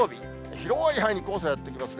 広い範囲に黄砂、やって来ますね。